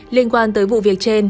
liên quan tới vụ việc trên